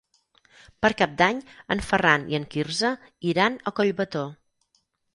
Per Cap d'Any en Ferran i en Quirze iran a Collbató.